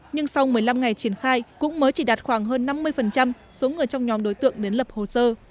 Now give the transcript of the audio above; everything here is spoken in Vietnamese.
nhưng sau một mươi năm ngày triển khai cũng mới chỉ đạt khoảng hơn năm mươi số người trong nhóm đối tượng đến lập hồ sơ